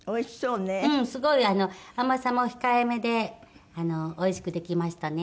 うんすごい甘さも控えめでおいしくできましたね。